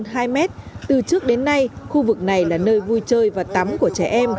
hôm nay khu vực này là nơi vui chơi và tắm của trẻ em